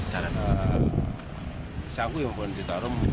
di sungai cisangkui yang mau berhubungan di tarum